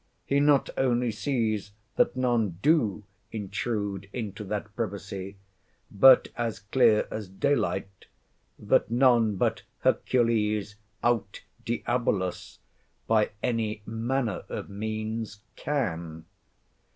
He not only sees that none do intrude into that privacy, but, as clear as daylight, that none but Hercules aut Diabolus by any manner of means can.